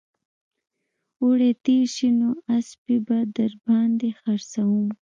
اوړي تېر شي نو اسپې به در باندې خرڅوم